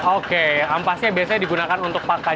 oke ampasnya biasanya digunakan untuk pakaian